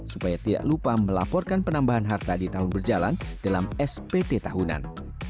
supaya tidak lupa melaporkan penambahan harta di tahun berjalan dalam spt tahunan